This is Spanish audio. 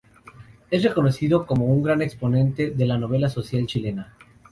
Es reconocido como un gran exponente de la novela social chilena.